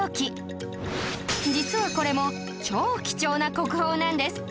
実はこれも超貴重な国宝なんです